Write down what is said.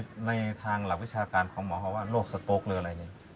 ก็ในทางหลักวิชาการคำหว่าว่าโรคสตกหรืออะไรอย่างงี้